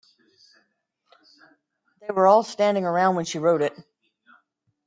They were all standing around when she wrote it.